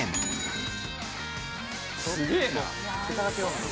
すげえな！